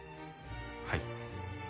はい。